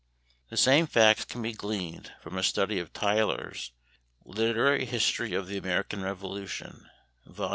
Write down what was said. The same facts can be gleaned from a study of Tyler's "Literary History of the American Revolution," Vol.